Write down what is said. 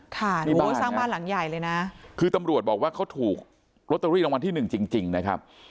สร้างบ้านหลังใหญ่เลยนะคือตำรวจบอกว่าเขาถูกลอตเตอรี่รางวัลที่หนึ่งจริงจริงนะครับ